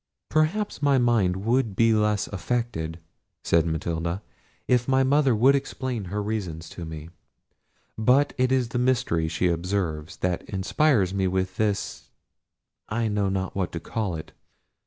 "Perhaps my mind would be less affected," said Matilda, "if my mother would explain her reasons to me: but it is the mystery she observes, that inspires me with this—I know not what to call it.